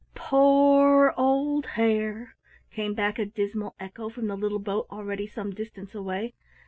"Po o o r old Hare," came back a dismal echo from the little boat already some distance away.